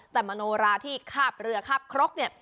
แต่มโนราที่คาบเรือคาบครกเนี่ย